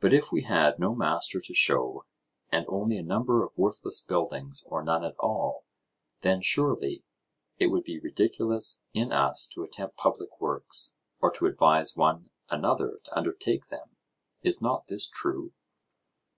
But if we had no master to show, and only a number of worthless buildings or none at all, then, surely, it would be ridiculous in us to attempt public works, or to advise one another to undertake them. Is not this true?